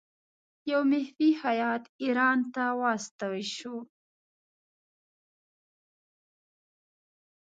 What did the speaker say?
یو مخفي هیات ایران ته واستاوه شو.